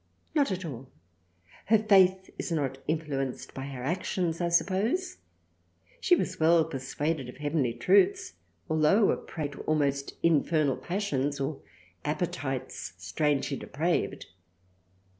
Not at all. Her Faith is not influenced by her Actions I suppose : she was well persuaded of Heavenly Truths altho' a Prey to almost infernal passions or Appetites strangely depraved.